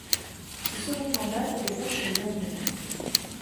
Ce second mandat devait être le dernier.